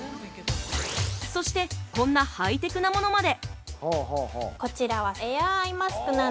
そして、こんなハイテクなものまで。